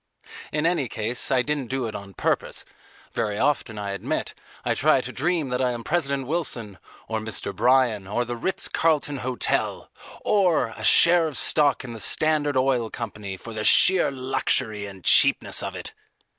In any case I didn't do it on purpose: very often, I admit, I try to dream that I am President Wilson, or Mr. Bryan, or the Ritz Carlton Hotel, or a share of stock in the Standard Oil Co. for the sheer luxury and cheapness of it.